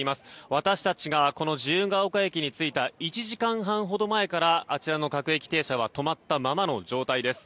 私たちが自由が丘駅に着いた１時間半ほど前からあちらの各駅停車は止まったままの状態です。